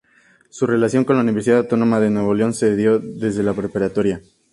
Su relación con la Universidad Autónoma de Nuevo León se dio desde la preparatoria.